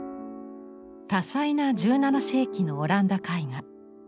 多彩な１７世紀のオランダ絵画。